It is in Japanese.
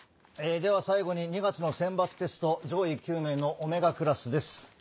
では最後に２月の選抜テスト上位９名のΩクラスです。